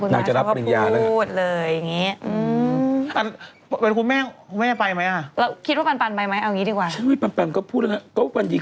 นางจะรับปริญญาแล้วค่ะอ๋อคุณมาร์ทฉันก็พูดเลยอย่างนี้